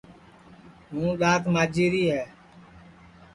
ہوں دؔات ماجی ری ہے